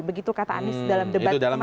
begitu kata anis dalam debat kemarin ya